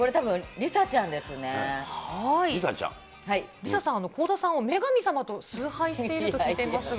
ＬｉＳＡさんは、倖田さんを女神様と崇拝していると聞いていますが。